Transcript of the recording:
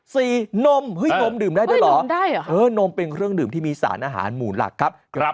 สี่นมนมดื่มได้ด้วยหรอนมเป็นเครื่องดื่มที่มีสารอาหารหมู่หลักครับ